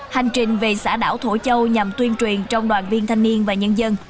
hành trình về xã đảo thổ châu nhằm tuyên truyền trong đoàn viên thanh niên và nhân dân